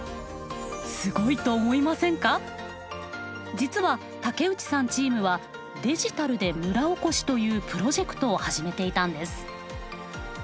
実は竹内さんチームはデジタルで村おこしというプロジェクトを始めていたんです。